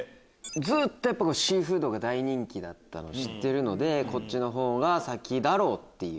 ずっとシーフードが大人気だったの知ってるのでこっちのほうが先だろうっていう。